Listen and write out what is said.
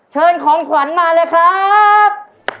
เชิญของขวัญมาเลยครับ